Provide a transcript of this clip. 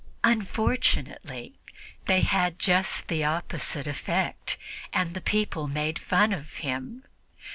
Unfortunately, they had just the opposite effect, and the people made fun of him.